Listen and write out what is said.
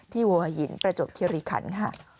ที่วัวหญิงประจบที่ริคันค่ะ